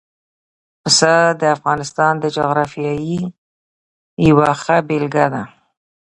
پسه د افغانستان د جغرافیې یوه ښه بېلګه ده.